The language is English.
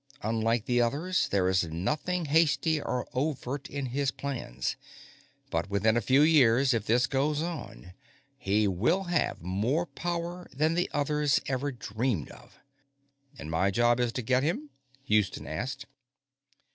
Unlike the others, there is nothing hasty or overt in his plans. But within a few years, if this goes on, he will have more power than the others ever dreamed of." "And my job is to get him?" Houston asked.